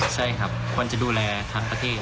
ใช่ครับควรจะดูแลทั้งประเทศ